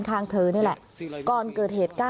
ข้างเธอนี่แหละก่อนเกิดเหตุ